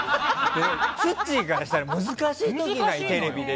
ツッチーからしたら難しい時期だ。